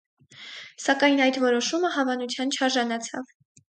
Սակայն այդ որոշումը հավանության չարժանացավ։